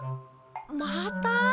また？